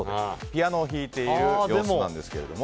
ピアノを弾いている様子なんですが。